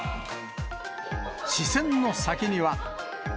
視線の先には。